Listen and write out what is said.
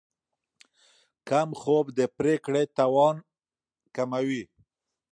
کم خوب د پرېکړې توان کموي.